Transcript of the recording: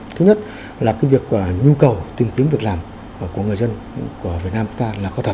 thứ nhất là cái việc nhu cầu tìm kiếm việc làm của người dân của việt nam chúng ta là có thể